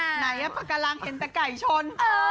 ไหนปากการังเห็นแต่ไก่ชน